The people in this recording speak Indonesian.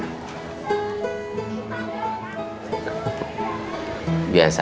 gak ada yang masak